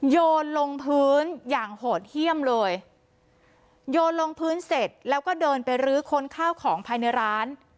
โยนลงพื้นอย่างโหดเยี่ยมเลยโยนลงพื้นเสร็จแล้วก็เดินไปรื้อค้นข้าวของภายในร้าน